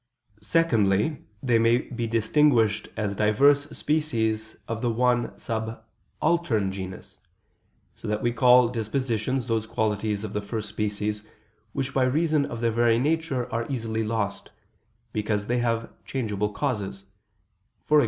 Secondly, they may be distinguished as diverse species of the one subaltern genus: so that we call dispositions, those qualities of the first species, which by reason of their very nature are easily lost, because they have changeable causes; e.g.